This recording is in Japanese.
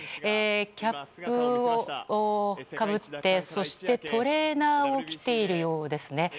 キャップをかぶって、そしてトレーナーを着ているようですね。